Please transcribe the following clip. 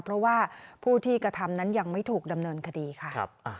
เพราะว่าผู้ที่กระทำนั้นยังไม่ถูกดำเนินคดีค่ะ